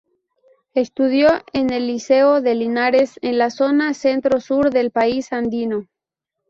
Estudió en el Liceo de Linares, en la zona centro-sur del país andino.